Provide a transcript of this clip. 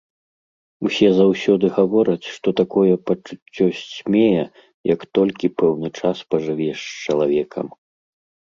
Усе заўсёды гавораць, што такое пачуццё сцьмее, як толькі пэўны час пажывеш з чалавекам.